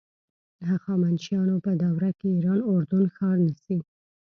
هخامنشیانو په دوره کې ایران اردن ښار نیسي.